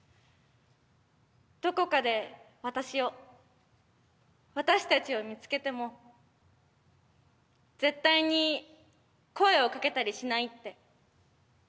どこかで私を私たちを見つけても絶対に声をかけたりしないって。